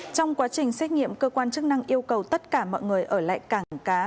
trong quá trình xét nghiệm cơ quan chức năng yêu cầu tất cả mọi người ở lại cảng cá